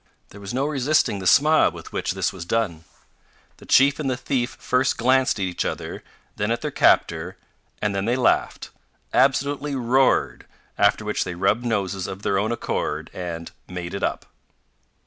There was no resisting the smile with which this was dune. The chief and the thief first glanced at each other, then at their captor, and then they laughed absolutely roared after which they rubbed noses of their own accord, and "made it up."